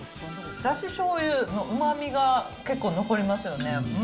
だししょうゆのうまみが結構残りますよね。